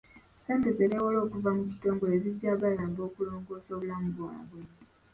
Ssente ze bewola okuva mu kitongole zijja bayamba okulongoosa obulamu bwabwe.